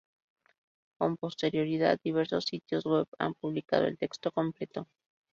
Con posterioridad diversos sitios web han publicado el texto completo.